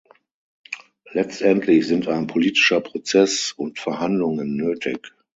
Letztendlich sind ein politischer Prozess und Verhandlungen nötig.